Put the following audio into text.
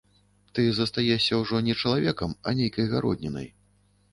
Ты застаешся ўжо не чалавекам, а нейкай гароднінай.